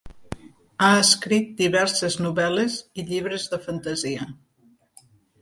Ha escrit diverses novel·les i llibres de fantasia.